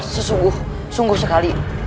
sesungguh sungguh sekali